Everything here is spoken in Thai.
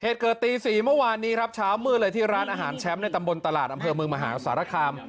เหตุเกิดตี๔เมื่อวานนี้ครับเช้ามืดเลยที่ร้านอาหารแชมป์ในตำบลตลาดอำเภอเมืองมหาสารคาม